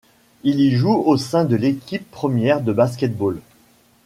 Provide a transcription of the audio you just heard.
Il y joue au sein de l'équipe première de basket-ball.